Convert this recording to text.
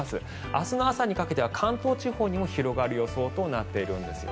明日の朝にかけては関東地方にも広がる予想となっています。